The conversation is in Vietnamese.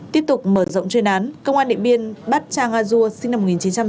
tiếp tục mở rộng chuyên án công an điện biên bắt trang a dô sinh năm hai nghìn bốn